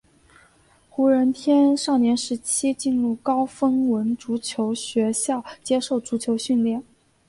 胡人天少年时期进入高丰文足球学校接受足球训练。